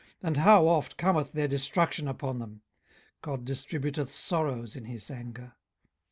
and how oft cometh their destruction upon them! God distributeth sorrows in his anger.